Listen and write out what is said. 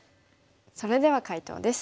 それでは解答です。